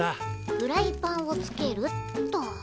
フライパンをつけるっと。